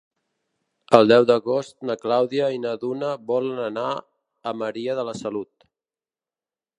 El deu d'agost na Clàudia i na Duna volen anar a Maria de la Salut.